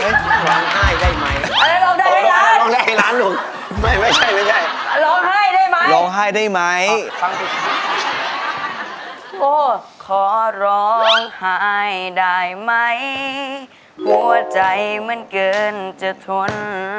โอ้โหขอร้องไห้ได้ไหมหัวใจมันเกินจะทน